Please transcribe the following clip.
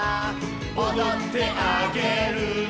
「おどってあげるね」